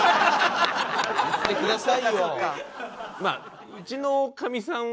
言ってくださいよ。